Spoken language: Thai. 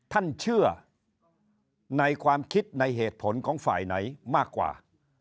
ท่านเชื่อในความคิดในเหตุผลของฝ่ายไหนมากกว่า